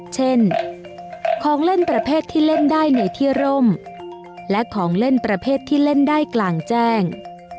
เช่นของเล่นประเภทที่เล่นได้ในที่ร่มและของเล่นประเภทที่เล่นได้กลางแจ้ง